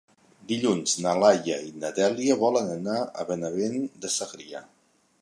Dilluns na Laia i na Dèlia volen anar a Benavent de Segrià.